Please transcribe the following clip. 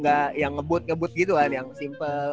gak yang ngebut ngebut gitu kan yang simpel